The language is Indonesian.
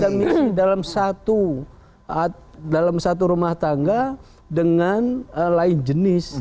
menyamakan visi dalam satu rumah tangga dengan lain jenis